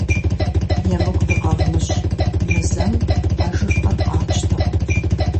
ЕмыкӀу дыкъэвмыщӀ, мы зэм а жыфӀэр къатщтэкъым.